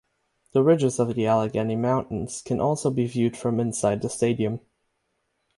The ridges of the Allegheny Mountains can also be viewed from inside the stadium.